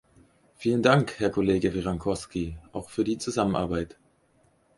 Vielen Dank, Herr Kollege Virrankoski, auch für die Zusammenarbeit.